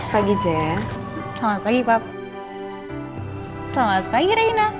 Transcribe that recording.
tuh udah disiapin